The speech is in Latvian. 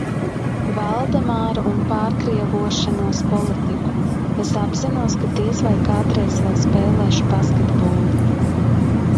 Valdemāru un pārkrievošanos politiku. Es apzinos, ka diez vai kādreiz vēl spēlēšu basketbolu.